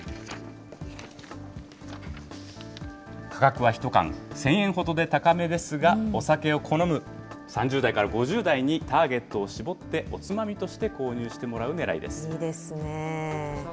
価格は１缶１０００円ほどで高めですが、お酒を好む３０代から５０代にターゲットを絞って、おつまみとして購入してもらうねいいですね。